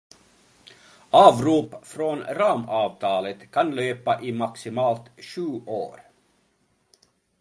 Avrop från ramavtalet kan löpa i maximalt sju år.